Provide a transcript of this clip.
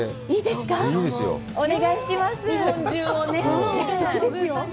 いいですよ。